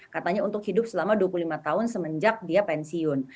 katanya untuk hidup selama dua puluh lima tahun semenjak dia pensiun